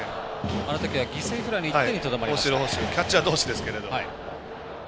あの時は犠牲フライの１点にとどまりました。